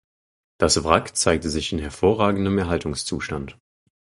Das Wrack zeigte sich in hervorragendem Erhaltungszustand.